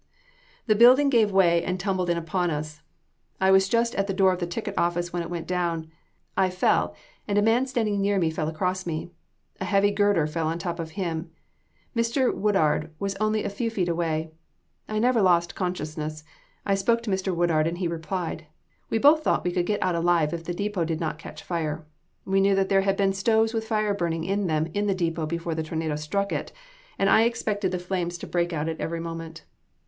"The building gave way and tumbled in upon us. I was just at the door of the ticket office when it went down. I fell, and a man standing near me fell across me. A heavy girder fell on top of him. Mr. Woodard was only a few feet away. I never lost consciousness. I spoke to Mr. Woodard and he replied. We both thought we could get out alive if the depot did not catch fire. I knew that there had been stoves with fire burning in them in the depot before the tornado struck it, and I expected the flames to break out at every moment.